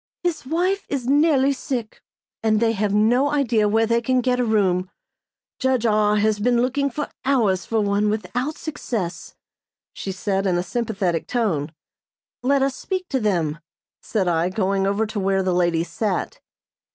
His wife is nearly sick, and they have no idea where they can get a room. Judge R. has been looking hours for one without success," she said, in a sympathetic tone. "Let us speak to them," said I, going over to where the ladies sat.